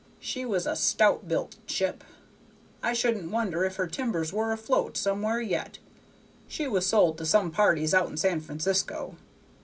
She was a stout built ship: I shouldn't wonder if her timbers were afloat somewhere yet; she was sold to some parties out in San Francisco.